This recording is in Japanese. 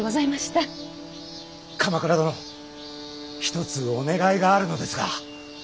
鎌倉殿一つお願いがあるのですが。